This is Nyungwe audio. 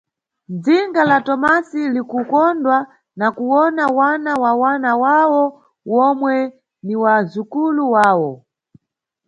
Dzinga la Tomasi likukondwa na kuwona wana wa wana wawo, omwe ni wazukulu wawo.